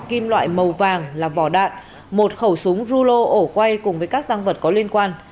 kim loại màu vàng là vỏ đạn một khẩu súng rulo ổ quay cùng với các tăng vật có liên quan